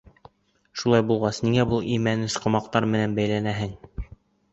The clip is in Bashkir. Шулай булғас, ниңә был имәнес ҡомаҡтар менән бәйләнәһең?